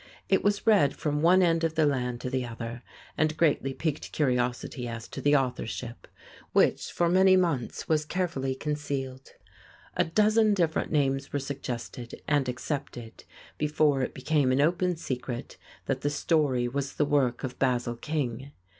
It was read from one end of the land to the other, and greatly piqued curiosity as to the authorship, which, for many months, was carefully concealed. A dozen different names were suggested and accepted before it became an open secret that the story was the work of Basil King.